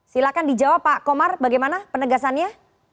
silahkan dijawab pak komar bagaimana penegasannya